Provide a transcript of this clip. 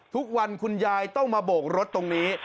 ทุกวันคุณยายต้องมาโบกรถตรงนี้